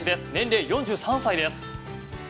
年齢４３歳です。